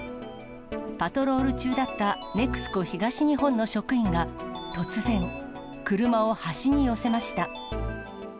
パトロール中だったＮＥＸＣＯ東日本の職員が、突然、車を端に寄せました。